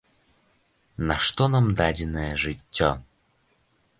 Нашто нам дадзенае жыццё?